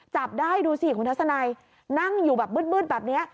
จับได้ดูสิคุณทัศนัยนั่งอยู่แบบมืดแบบนี้